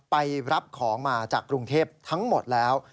ไปรับของมาจากกรุงเทพทั้งหมดแล้ว